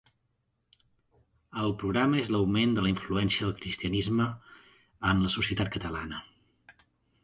El programa és l'augment de la influència del cristianisme en la societat catalana.